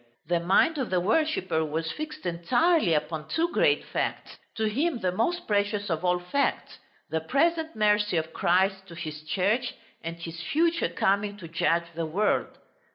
The mind of the worshipper was fixed entirely upon two great facts, to him the most precious of all facts, the present mercy of Christ to His Church, and His future coming to judge the world.